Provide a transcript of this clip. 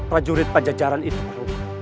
para jurid pejajaran itu